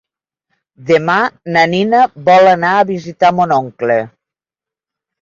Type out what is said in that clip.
Demà na Nina vol anar a visitar mon oncle.